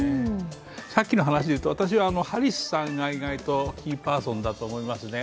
さっきの話でいうと、私はハリスさんが意外とキーパーソンだと思いますね。